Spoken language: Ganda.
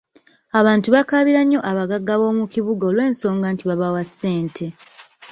Abantu bakabira nnyo abagagga b’omu kibuga olw’ensonga nti babawa ssente.